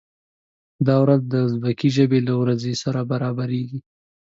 دا ورځ د ازبکي ژبې له ورځې سره برابریږي.